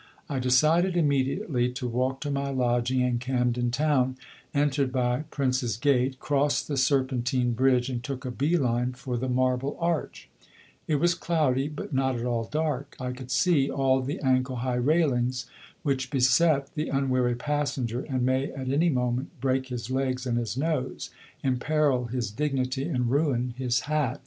I decided immediately to walk to my lodging in Camden Town, entered by Prince's Gate, crossed the Serpentine Bridge and took a bee line for the Marble Arch. It was cloudy, but not at all dark. I could see all the ankle high railings which beset the unwary passenger and may at any moment break his legs and his nose, imperil his dignity and ruin his hat.